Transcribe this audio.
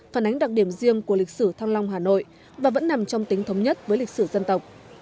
phản ánh đặc điểm riêng của lịch sử thăng long hà nội và vẫn nằm trong tính thống nhất với lịch sử dân tộc